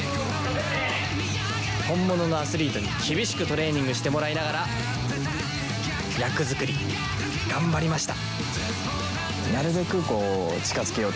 本物のアスリートに厳しくトレーニングしてもらいながら役作り頑張りました。